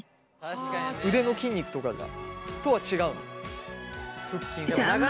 腕の筋肉とかじゃとは違うの？